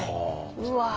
うわ。